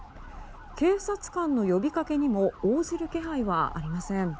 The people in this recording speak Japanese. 警察官の呼びかけにも応じる気配はありません。